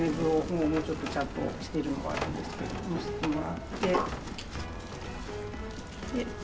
もうちょっとちゃんとしてるのもあるんですけどのせてもらって。